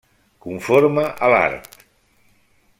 Conforme a l'art.